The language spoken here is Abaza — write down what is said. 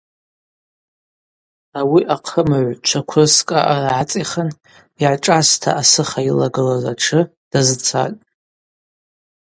Ауи ахъымыгӏв чвакврсыкӏ аъара гӏацӏихын йгӏашӏаста асыха йылагылаз атшы дазцатӏ.